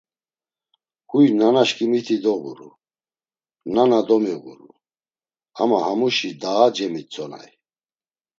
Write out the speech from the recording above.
Huy nanaşǩimiti doğuru, nana domiğuru, ama hamuşi daa cemitzonay.